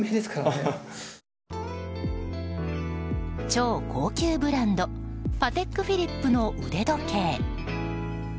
超高級ブランドパテックフィリップの腕時計。